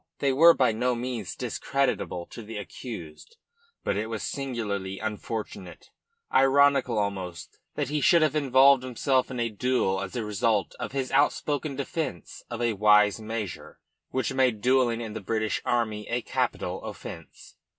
They were by no means discreditable to the accused, but it was singularly unfortunate, ironical almost, that he should have involved himself in a duel as a result of his out spoken defence of a wise measure which made duelling in the British army a capital offence.